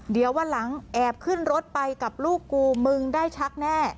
เดี๋ยววันหลังแอบขึ้นรถไปกับลูกกูมึงได้ชักแน่